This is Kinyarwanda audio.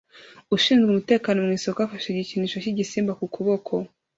Ushinzwe umutekano mu isoko afashe igikinisho cy'igisimba ku kuboko